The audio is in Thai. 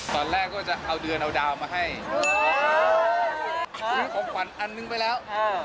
ตอนแรกก็จะเอาเดือนเอาดาวมาให้ซื้อของขวัญอันนึงไปแล้ว